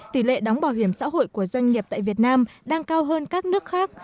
tỷ lệ đóng bảo hiểm xã hội của doanh nghiệp tại việt nam đang cao hơn các nước khác